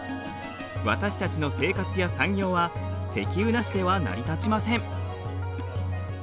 私たちの生活や産業は石油なしでは成り立ちません。